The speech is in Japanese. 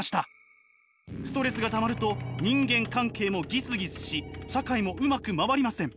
ストレスがたまると人間関係もギスギスし社会もうまく回りません。